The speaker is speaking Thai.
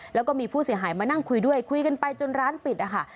แล้วก็มีผู้เสียหายมานั่งคุยด้วยคุยกันไปจนร้านปิดนะคะ